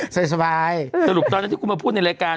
ใส่สบายสรุปตอนนี้ที่กูมาพูดในรายการ